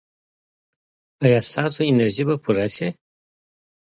ایا ستاسو انرژي به پوره شي؟